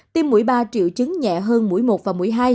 tiêm mũi ba triệu chứng nhẹ hơn mũi một và mũi hai